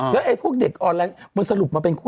แล้วไอ้พวกเด็กมันสรุปมาเป็นข้อ